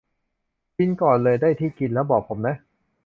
กินก่อนเลย ได้ที่กินแล้วบอกผมนะ